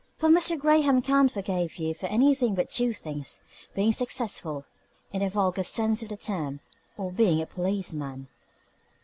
For Mr. Graham can forgave you for anything but two things being successful (in the vulgar sense of the term) or being a policeman.